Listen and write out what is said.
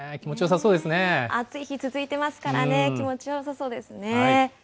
暑い日、続いてますからね、気持ちよさそうですね。